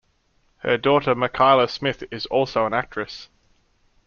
Her daughter Makyla Smith is also an actress.